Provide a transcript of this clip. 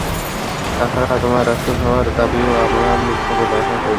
তা ছাড়া তোমার রাসূল হওয়ার দাবিকেও আমরা মিথ্যা বলে মনে করি।